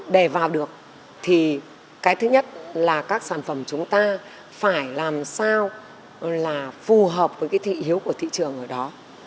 để vào được thì cái thứ nhất là các sản phẩm chúng ta phải làm sao là phù hợp với cái thị hiếu của thị trường ở đó